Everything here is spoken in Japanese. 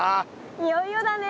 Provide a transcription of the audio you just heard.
いよいよだね。